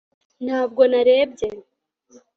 ntabwo narebye